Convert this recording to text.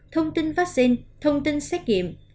thông tin vaccine thông tin xét nghiệm